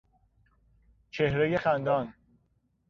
چهرهی خندان